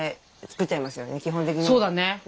そうだね。